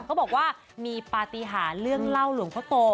เขาบอกว่ามีปฏิหารเรื่องเล่าหลวงพ่อโต